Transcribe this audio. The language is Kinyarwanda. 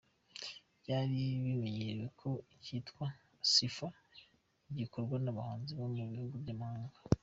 Byari bimenyerewe ko icyitwa ‘Cypher’ gikorwa n’abahanzi bo mu bihugu by’amahanga.